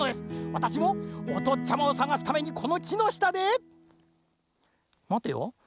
わたしもおとっちゃまをさがすためにこのきのしたでまてよ